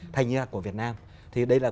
thành như là của việt nam thì đây là